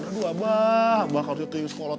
aduh abah abah karunya ngeskolot